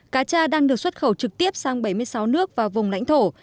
cá tra đang được xuất khẩu trực tiếp sang bảy mươi sáu nước và vùng lãnh thổ